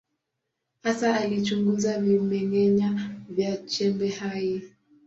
Hasa alichunguza vimeng’enya vya chembe hai.